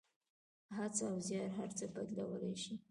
هڅه او زیار هر څه بدلولی شي.